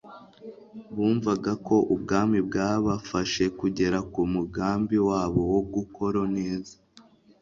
bumvaga ko ubwami bwabafasha kugera ku mugambi wabo wo gukorooneza